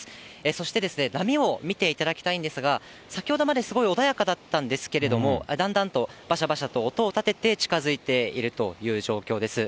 そしてですね、波を見ていただきたいんですが、先ほどまですごい穏やかだったんですけれども、だんだんとばしゃばしゃと音を立てて近づいているという状況です。